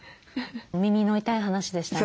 耳の痛い話でしたね。